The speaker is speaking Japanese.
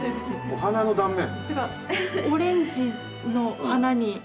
お花の断面？